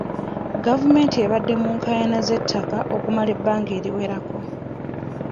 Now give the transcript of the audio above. Gavumenti ebadde mu nkaayana z'ettaka okumala ebbanga eriwerako.